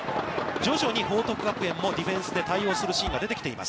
徐々に報徳学園もディフェンスで対応するシーンが出てきています。